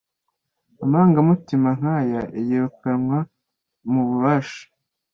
Amarangamutima nkaya yirukanwa mububasha